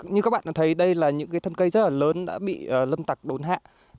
như các bạn thấy đây là những thân cây rất là lớn đã bị lâm tặc đốn hạ